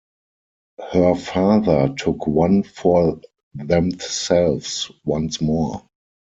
Her father took one for themselves once more.